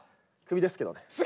クビですけどね。